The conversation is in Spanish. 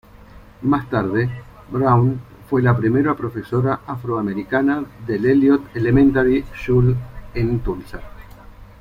Más tarde, Brown fue la primera profesora afro-americana del Eliot Elementary School en Tulsa.